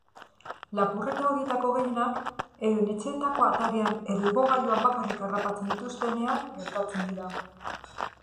Lapurreta horietako gehienak euren etxeetako atarian edo igogailuan bakarrik harrapatzen dituztenean gertatzen dira.